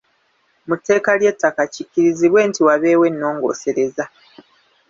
Mu tteeka ly’ettaka, kikkirizibwe nti wabeewo ennongoosereza.